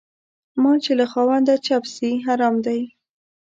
مال چې له خاونده چپ سي حرام دى.